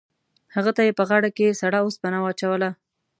هغه ته یې په غاړه کې سړه اوسپنه واچوله.